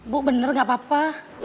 bu benar gak apa apa